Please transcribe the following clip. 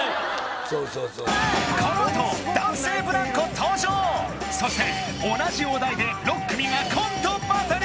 そうそうそうこのあと男性ブランコ登場そして同じお題で６組がコントバトル！